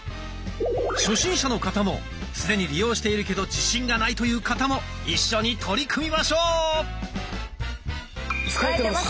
初心者の方も既に利用しているけど自信がないという方も一緒に取り組みましょう！